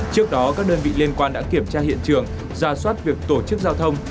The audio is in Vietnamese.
trước đó các đơn vị liên quan đã kiểm tra hiện trường ra soát việc tổ chức giao thông